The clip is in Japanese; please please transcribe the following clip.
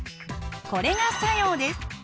これが作用です。